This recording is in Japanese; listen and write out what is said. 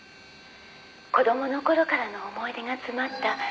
「子供の頃からの思い出が詰まった」「」